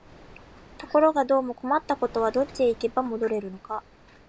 ところがどうも困ったことは、どっちへ行けば戻れるのか、